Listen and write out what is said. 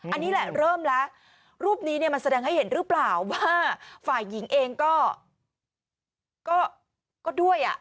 อันนี้แหละเริ่มแล้วรูปนี้เนี่ยมันแสดงให้เห็นหรือเปล่าว่าฝ่ายหญิงเองก็ด้วยอ่ะ